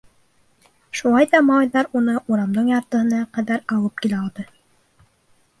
Шулай ҙа малайҙар уны урамдың яртыһына ҡәҙәр алып килә алды.